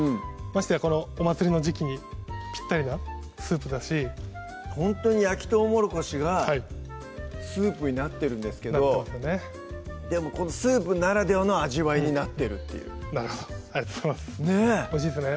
ましてやこのお祭りの時期にぴったりなスープだしほんとに焼きとうもろこしがスープになってるんですけどでもこのスープならではの味わいになってるっていうなるほどありがとうございますおいしいですね